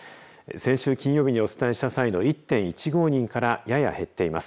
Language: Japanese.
先週金曜日にお伝えした際の１．１５人からやや減っています。